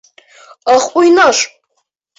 Ах, уйнаш!